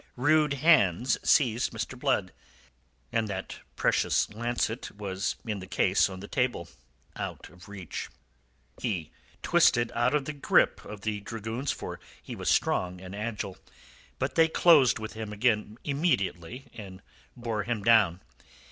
Rude hands seized Mr. Blood, and that precious lancet was in the case on the table out of reach. He twisted out of the grip of the dragoons, for he was strong and agile, but they closed with him again immediately, and bore him down.